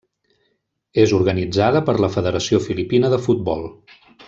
És organitzada per la Federació Filipina de Futbol.